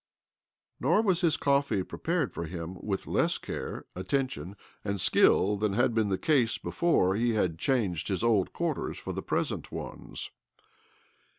Nor was his coffee prepared for him with less care, attention, and skill than had been the case hefore he had changed his old .quarters for his present ones.